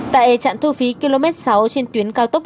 tại trạm thu phí km sáu trên tuyến cao tốc